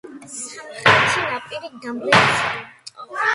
სამხრეთი ნაპირი დამრეცია.